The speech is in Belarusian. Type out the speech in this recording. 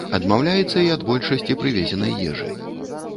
Адмаўляецца і ад большасці прывезенай ежы.